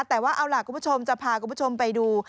แต่ว่าเอาล่ะคุณผู้ชมจะพาคุณผู้ชมไปดู